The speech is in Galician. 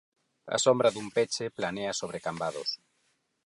A sombra dun peche planea sobre Cambados.